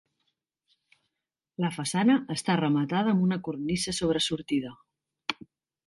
La façana està rematada amb una cornisa sobresortida.